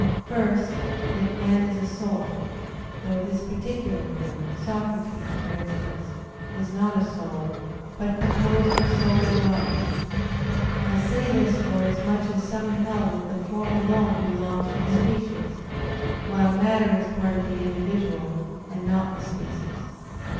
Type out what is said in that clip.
First, that man is a soul; though this particular man, Socrates, for instance, is not a soul, but composed of soul and body. I say this, forasmuch as some held that the form alone belongs to the species; while matter is part of the individual, and not the species.